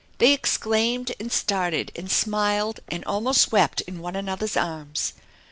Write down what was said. They exclaimed and started and smiled and almost wept in one another's arms.